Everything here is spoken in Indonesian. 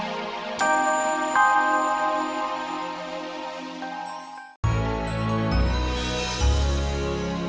ngerti mas ngerti mas